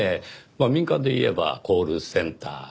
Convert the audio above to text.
まあ民間で言えばコールセンター。